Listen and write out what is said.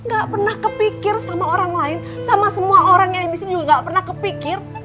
gak pernah kepikir sama orang lain sama semua orang yang disini juga gak pernah kepikir